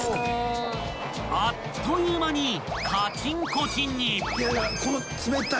［あっという間に］